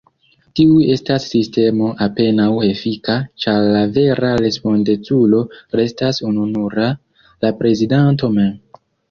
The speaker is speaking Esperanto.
Tiu estas sistemo apenaŭ efika, ĉar la vera respondeculo restas ununura: la prezidanto mem.